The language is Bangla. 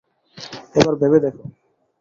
এবার, ভেবে দেখো।